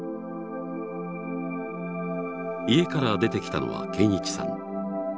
家から出てきたのは堅一さん。